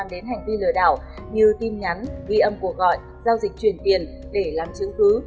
các bộ công an đến hành vi lừa đảo như tin nhắn ghi âm cuộc gọi giao dịch chuyển tiền để làm chứng cứ